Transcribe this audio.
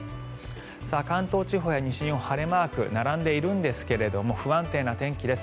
関東地方や西日本晴れマーク並んでいるんですが不安定な天気です。